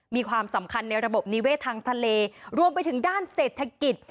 มีความสำคัญในระบบนิเวศทางทะเลรวมไปถึงด้านเศรษฐกิจ